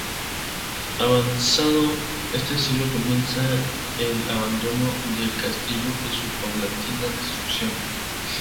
Avanzado este siglo comienza el abandono del castillo y su paulatina destrucción.